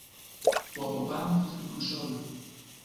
που από πάνω από την κονσόλα